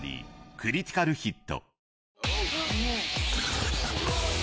クリティカルヒット！